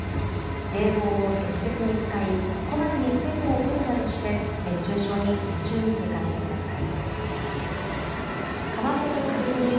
冷房を適切に使いこまめに水分をとるなどして熱中症に厳重に警戒してください。